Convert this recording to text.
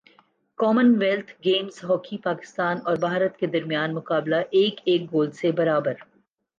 common wealth Games hockey Pakistan اور بھارت کے درمیان مقابلہ ایک ایک گول سے برابر